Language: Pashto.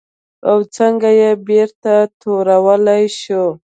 او څنګه یې بېرته تورولی شو؟